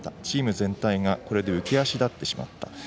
チーム全体がこれで浮き足立ってしまった。